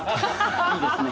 いいですね